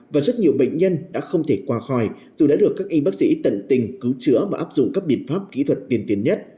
và rất nhiều bệnh nhân đã không thể qua khỏi dù đã được các y bác sĩ tận tình cứu chữa và áp dụng các biện pháp kỹ thuật tiên tiến nhất